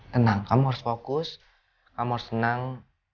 tenang kamu harus fokus kamu harus senang